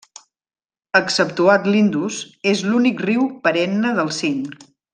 Exceptuat l'Indus, és l'únic riu perenne del Sind.